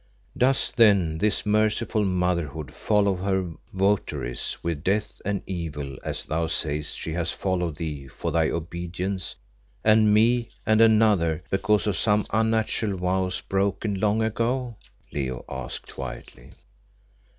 "Does, then, this merciful Motherhood follow her votaries with death and evil, as thou sayest she has followed thee for thy disobedience, and me and another because of some unnatural vows broken long ago?" Leo asked quietly.